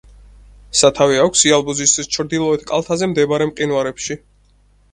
სათავე აქვს იალბუზის ჩრდილოეთ კალთაზე მდებარე მყინვარებში.